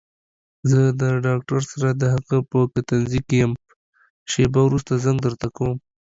زه د ډاکټر سره دهغه په کتنځي کې يم شېبه وروسته زنګ درته کوم.